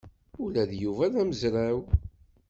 Ula d Yuba d amezraw.